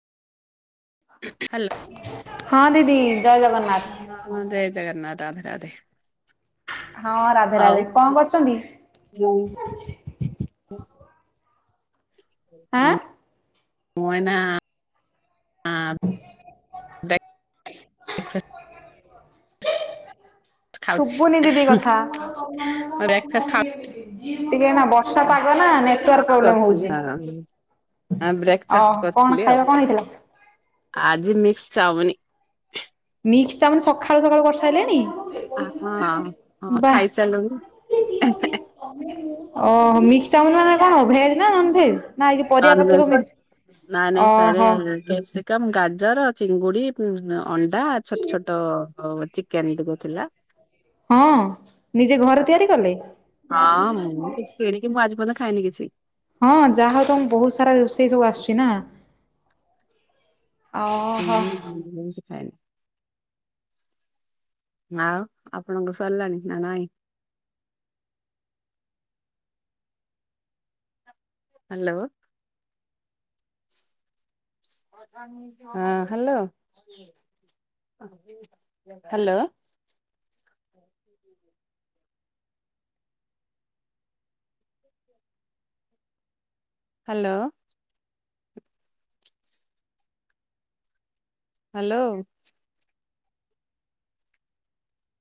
Hello. ହଁ ଦିଦି ଜୟ ଜଗନ୍ନାଥ। ହଁ ଜୟ ଜଗନ୍ନାଥ ରାଧେ ରାଧେ। ହଁ ରାଧେ ରାଧେ ଆଉ କଣ କରୁଛନ୍ତି? ବୋଉ ଆଁ। ମୂଁ ମୁଁ ଏନା ହ [inaudible] ବ୍ରେକଫାଷ୍ଟ ଖାଉଛି। ଶୁଭୁନି ଦିଦି କଥା ବ୍ରେକଫାଷ୍ଟ ଖାଉ ଟିକେ ଏନା ବର୍ଷା ପାଗ ନା ନେଟୱାର୍କ ପ୍ରୋବ୍ଲେମ ହଉଛି। [unintelligible] ଓହ ବ୍ରେକଫାଷ୍ଟ କଣ କରିଥିଲି ଆଉ। ଖାଇବା କଣ ହେଇଥିଲା? ଆଜି ମିକ୍ସ ଚାଓମିନ। ମିକ୍ସ ଚାଉମିନ ସକାଳୁ ସକାଳୁ କରିସାରିଲେଣି? ହଁ ହଁ ଖାଇସାରିଲୁଣି। ଓ ମିକ୍ସ ଚାଉମିନ ମାନେ କଣ ଭେଜ ନା ନନ ଭେଜ? ନା ଆଜି। ପରିବା ପତ୍ର ନନଭେଜ ସବୁ ମିଶ ଅହୋ କାପସିକମ୍, ଗାଜର, ଚିଙ୍ଗୁଡି ଅଣ୍ଡା ଛୋଟ ଛୋଟ କାନିଟେ କରୁଥିଲା। ହଁ ନିଜେ ଘରେ ତିଆରି କଲେ। ହଁ ମୁଁ କିଛି କିଣିକି ମୁଁ ଆଜି ପର୍ଯ୍ୟନ୍ତ ଖାଇନି କିଛି। ହଁ ଯାହା ହଉ ତ ମୁ ବହୁତ ସାରା ରୋଷେଇ ସବୁ ଆସୁଛି ନା। [unintelligible] ଓହୋ ମୁଁ କିଛି ଖାଏନି। ଆଉ ଆପଣଙ୍କୁ ସରିଲାଣି ନା ନାଇଁ। ହ୍ୟାଲୋ ହଁ ହ୍ୟାଲୋ ହ୍ୟାଲୋ ହୁଁ। Hello hello